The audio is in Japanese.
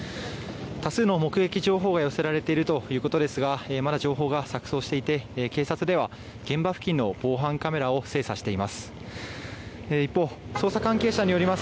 多数の目撃情報が寄せられているということですがまだ情報が錯綜していて警察では、現場付近の防犯カメラを精査しています。